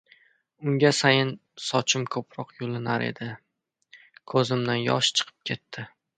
unga sayin sochim ko‘proq yulinar edi. Ko‘zimdan yosh chiqib ketdi.